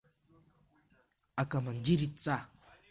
Акомандир идҵа…